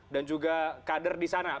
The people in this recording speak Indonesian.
dan juga kader di sana